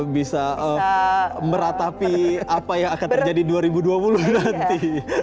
bisa meratapi apa yang akan terjadi dua ribu dua puluh nanti